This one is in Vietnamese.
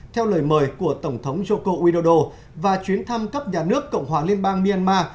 theo lời mời của tổng thống joko udodo và chuyến thăm cấp nhà nước cộng hòa liên bang myanmar